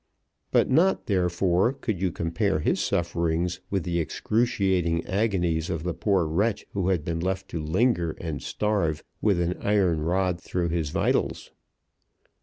But not, therefore, could you compare his sufferings with the excruciating agonies of the poor wretch who had been left to linger and starve with an iron rod through his vitals.